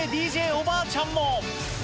おばあちゃんも。